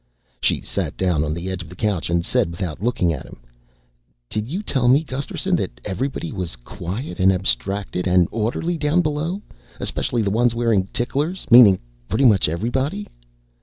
She sat down on the edge of the couch and said without looking at him, "Did you tell me, Gusterson, that everybody was quiet and abstracted and orderly down below, especially the ones wearing ticklers, meaning pretty much everybody?"